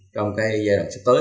trong cái giai đoạn sắp tới